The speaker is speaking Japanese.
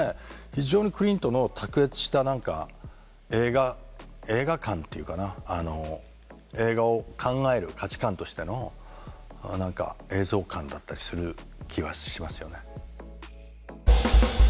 非常にクリントの卓越した映画観っていうかな映画を考える価値観としての映像観だったりする気はしますよね。